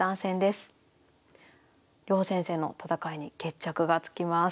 両先生の戦いに決着がつきます。